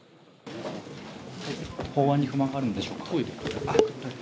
法案に不満があるんでしょうトイレに。